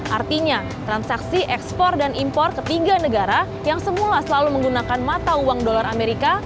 artinya transaksi ekspor dan impor ketiga negara yang semula selalu menggunakan mata uang dolar amerika